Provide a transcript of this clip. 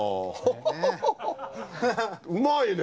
うまいね。